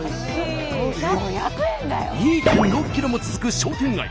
２．６ｋｍも続く商店街。